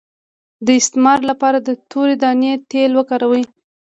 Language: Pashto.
د استما لپاره د تورې دانې تېل وکاروئ